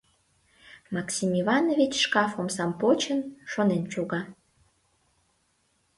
Максим Иванович, шкаф омсам почын, шонен шога.